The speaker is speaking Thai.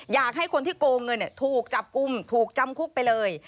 อยากให้คนที่โกงเงินถูกจับกลุ่มถูกจำคุกไปเลย